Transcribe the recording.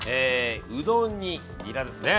うどんににらですね。